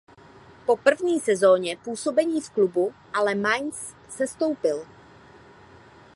Po první sezóně působení v klubu ale Mainz sestoupil.